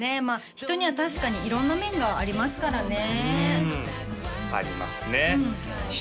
人には確かに色んな面がありますからねうんありますね姫